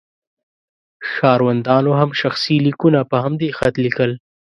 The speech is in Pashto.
ښاروندانو هم شخصي لیکونه په همدې خط لیکل.